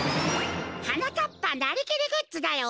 はなかっぱなりきりグッズだよ！